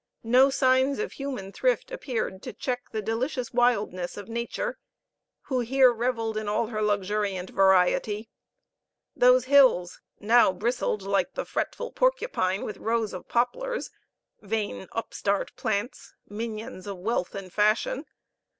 No signs of human thrift appeared to check the delicious wildness of Nature, who here reveled in all her luxuriant variety. Those hills, now bristled like the fretful porcupine, with rows of poplars (vain upstart plants! minions of wealth and fashion!)